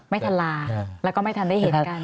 ไม่ทันลาแล้วก็ไม่ทันได้เห็นกัน